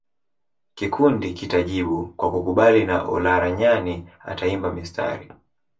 Kikundi kitajibu kwa kukubali na Olaranyani ataimba mistari